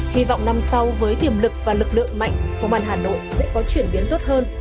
hy vọng năm sau với tiềm lực và lực lượng mạnh công an hà nội sẽ có chuyển biến tốt hơn